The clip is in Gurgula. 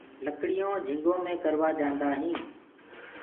لڪڙيونٚ جھنٚگو مي ڪروآ جآنٚدآئينٚ